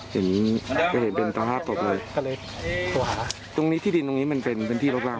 ต่อเลยตัวหาตรงนี้ที่ดินตรงนี้มันเป็นเป็นที่รกร่าง